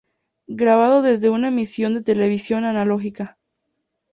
Grabado desde una emisión de televisión analógica.